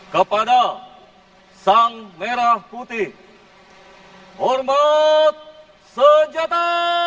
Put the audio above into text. kepada sang merah putih hormat senjata